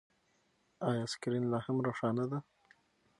ایا سکرین لا هم روښانه دی؟